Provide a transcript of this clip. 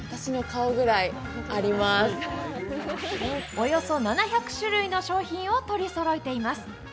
およそ７００種類の商品を取りそろえています。